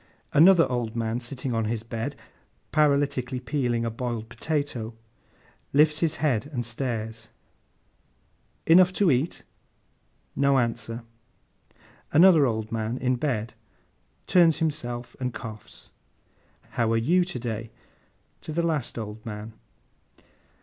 Another old man sitting on his bed, paralytically peeling a boiled potato, lifts his head and stares. 'Enough to eat?' No answer. Another old man, in bed, turns himself and coughs. 'How are you to day?' To the last old man.